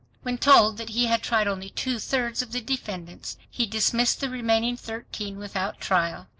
When told that he had tried only two thirds of the defendants, he dismissed the remaining thirteen without trial!